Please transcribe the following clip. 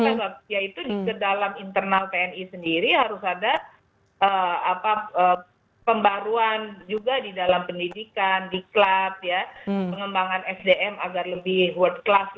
bapak ya itu di dalam internal tni sendiri harus